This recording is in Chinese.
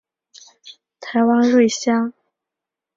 台湾瑞香为瑞香科瑞香属下的一个种。